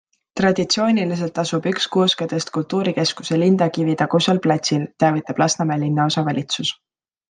Traditsiooniliselt asub üks kuuskedest kultuurikeskuse Lindakivi tagusel platsil, teavitab Lasnamäe linnaosa valitsus.